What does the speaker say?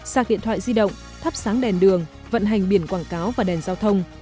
sạc điện thoại di động thắp sáng đèn đường vận hành biển quảng cáo và đèn giao thông